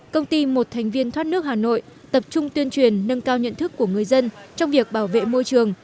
công ty một thành viên thoát nước hà nội tập trung tuyên truyền nâng cao nhận thức của người dân trong việc bảo vệ môi trường